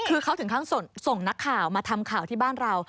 คือเขาถึงขั้นส่งนักข่าวมาทำข่าวที่บ้านเรา